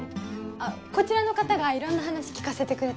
あっこちらの方がいろんな話聞かせてくれて。